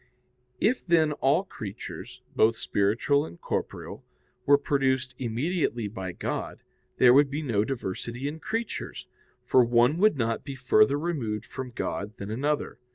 If then all creatures, both spiritual and corporeal, were produced immediately by God, there would be no diversity in creatures, for one would not be further removed from God than another.